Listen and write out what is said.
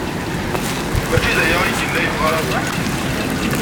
Maci d aya ay yella yebɣa Rabaḥ?